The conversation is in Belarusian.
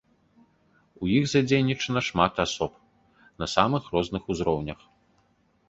У іх задзейнічана шмат асоб, на самых розных узроўнях.